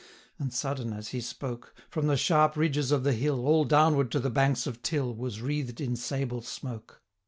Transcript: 745 And sudden, as he spoke, From the sharp ridges of the hill, All downward to the banks of Till, Was wreathed in sable smoke.